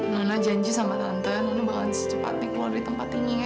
nona janji sama tante nona balas cepat cepat dari tempat ini ya